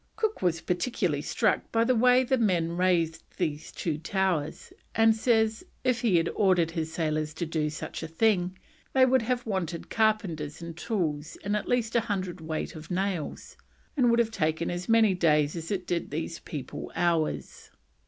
Cook was particularly struck by the way the men raised these two towers, and says if he had ordered his sailors to do such a thing, they would have wanted carpenters and tools and at least a hundredweight of nails, and would have taken as many days as it did these people hours.